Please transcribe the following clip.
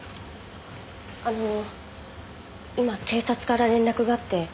あの今警察から連絡があって。